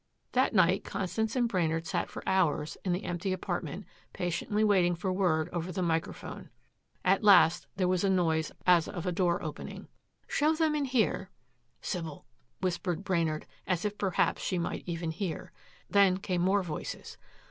That night Constance and Brainard sat for hours in the empty apartment patiently waiting for word over the microphone. At last there was a noise as of a door opening. "Show them in here." "Sybil," whispered Brainard as if perhaps she might even hear. Then came more voices.